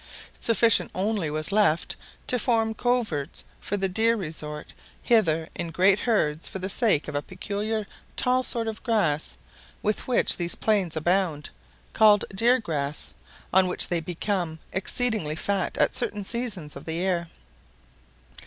Sufficient only was left to form coverts; for the deer resort hither in great herds for the sake of a peculiar tall sort of grass with which these plains abound, called deer grass, on which they become exceedingly fat at certain seasons of the year.